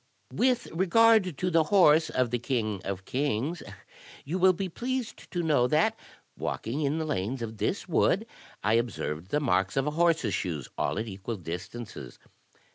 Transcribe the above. *' With regard to the horse of the king of kings, you will be pleased to know that, walking in the lanes of this wood, I observed the marks of a horse's shoes, all at equal distances.